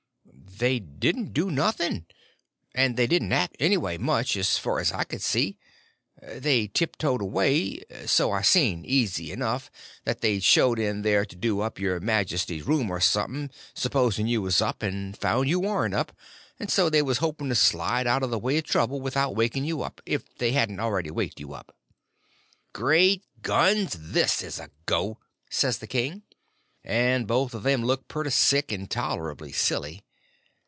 "They didn't do nothing. And they didn't act anyway much, as fur as I see. They tiptoed away; so I seen, easy enough, that they'd shoved in there to do up your majesty's room, or something, s'posing you was up; and found you warn't up, and so they was hoping to slide out of the way of trouble without waking you up, if they hadn't already waked you up." "Great guns, this is a go!" says the king; and both of them looked pretty sick and tolerable silly.